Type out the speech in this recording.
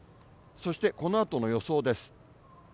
そしてこのあとの予想です。